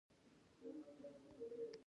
د ګاډي د برېک دے